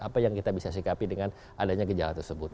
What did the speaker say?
apa yang kita bisa sikapi dengan adanya gejala tersebut